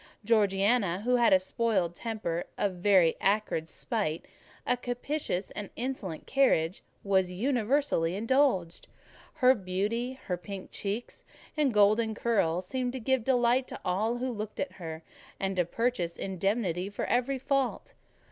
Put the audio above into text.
Georgiana, who had a spoiled temper, a very acrid spite, a captious and insolent carriage, was universally indulged. Her beauty, her pink cheeks and golden curls, seemed to give delight to all who looked at her, and to purchase indemnity for every fault.